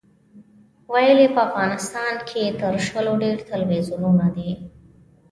ویل یې په افغانستان کې تر شلو ډېر تلویزیونونه دي.